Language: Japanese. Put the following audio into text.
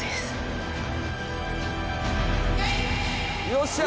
よっしゃ。